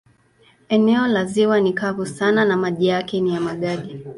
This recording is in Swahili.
Eneo la ziwa ni kavu sana na maji yake ni ya magadi.